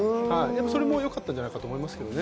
それもよかったんじゃないかなと思いますね。